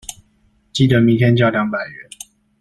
記得明天交兩百元